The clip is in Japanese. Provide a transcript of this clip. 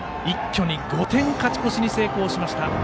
一挙に５点勝ち越しに成功しました。